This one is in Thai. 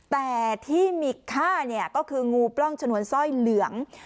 แต่ที่มีค่าเนี่ยก็คืองูปล้องชนวนสร้อยเหลือง